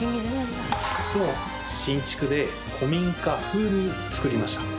移築と新築で古民家風に造りました。